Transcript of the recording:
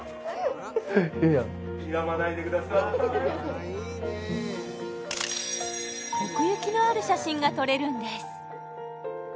ええやん奥行きのある写真が撮れるんです